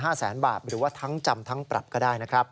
แสนบาทหรือว่าทั้งจำทั้งปรับก็ได้นะครับ